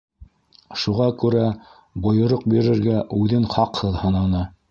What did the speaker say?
Шуға күрә бойороҡ бирергә үҙен хаҡһыҙ һананы.